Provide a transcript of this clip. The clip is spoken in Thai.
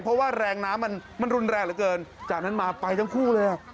เพราะว่าแรงน้ำมันมันรุนแรงเหลือเกินจากนั้นมาไปทั้งคู่เลยอ่ะ